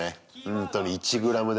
ほんとに１ｇでもね。